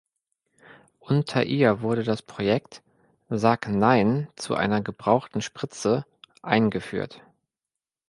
Unter ihr wurde das Projekt „Sag Nein zu einer gebrauchten Spritze“ eingeführt.